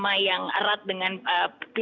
apakahomi dando lembut